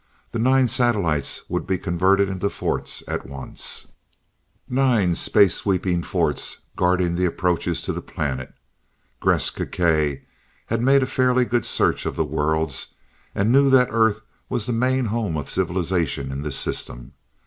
The nine satellites would be converted into forts at once, nine space sweeping forts guarding the approaches to the planet. Gresth Gkae had made a fairly good search of the worlds, and knew that Earth was the main home of civilization in this system.